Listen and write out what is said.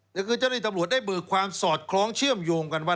แต่คือเจ้าหน้าที่ตำรวจได้เบิกความสอดคล้องเชื่อมโยงกันว่า